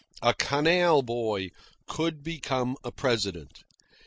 A canal boy could become a President.